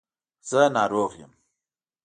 زه ناروغ یم.